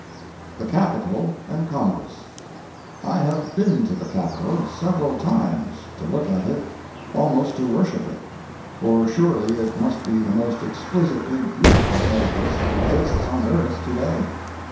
The Capitol and Congress I have been to the Capitol, several times, to look at it—almost to worship it; for surely it must be the most exquisitely beautiful edifice that exists on earth to day.